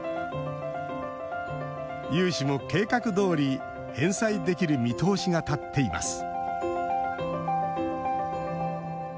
融資も計画どおり返済できる見通しが立っています